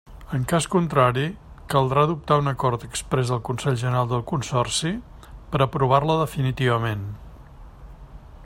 En cas contrari, caldrà adoptar un acord exprés del Consell General del Consorci, per aprovar-la definitivament.